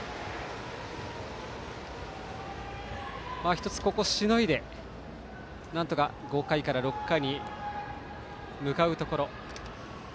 １つここしのいで、なんとか５回から６回に向かうところ。